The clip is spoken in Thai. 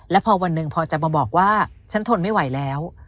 แล้วพอวันหนึ่งพอจะมาบอกว่าฉันทนไม่ไหวแล้ว